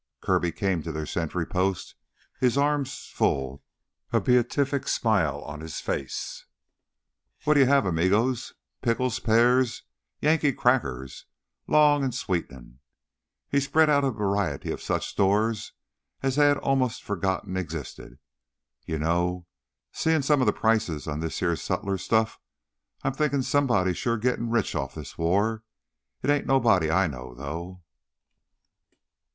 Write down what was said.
Kirby came to their sentry post, his arms full, a beatific smile on his face. "What'll you have, amigos pickles, pears, Yankee crackers, long sweetenin' " He spread out a variety of such stores as they had almost forgotten existed. "You know, seein' some of the prices on this heah sutlers' stuff, I'm thinkin' somebody's sure gittin' rich on this war. It ain't nobody I know, though."